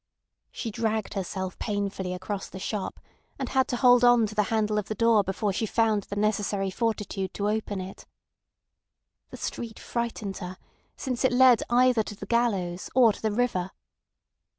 She dragged herself painfully across the shop, and had to hold on to the handle of the door before she found the necessary fortitude to open it. The street frightened her, since it led either to the gallows or to the river.